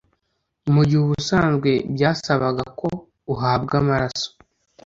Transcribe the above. mu gihe ubusanzwe byasabaga ko uhabwa amaraso